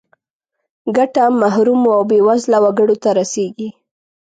ګټه محرومو او بې وزله وګړو ته رسیږي.